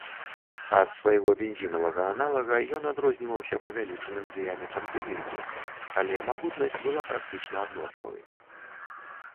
Ад свайго бензінавага аналага ён адрозніваўся павялічаным дыяметрам цыліндру, але магутнасць была практычна аднолькавай.